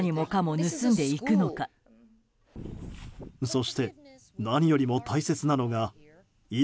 そして何よりも大切なのが命。